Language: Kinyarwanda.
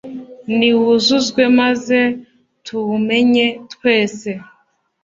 niwuzuzwe maze tuwumenye twese